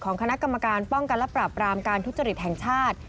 คณะกรรมการป้องกันและปราบรามการทุจริตแห่งชาติ